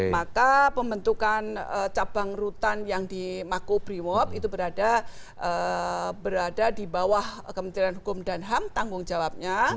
maka pembentukan cabang rutan yang di makobrimob itu berada di bawah kementerian hukum dan ham tanggung jawabnya